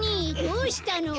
どうしたの？